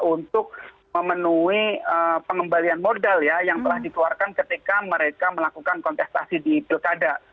untuk memenuhi pengembalian modal ya yang telah dikeluarkan ketika mereka melakukan kontestasi di pilkada